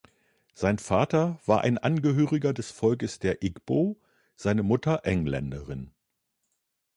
Sein Vater war ein Angehöriger des Volkes der Igbo, seine Mutter Engländerin.